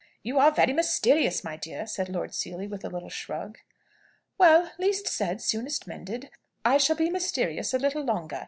"You are very mysterious, my dear!" said Lord Seely, with a little shrug. "Well, least said, soonest mended. I shall be mysterious a little longer.